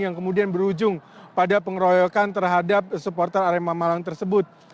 yang kemudian berujung pada pengeroyokan terhadap supporter arema malang tersebut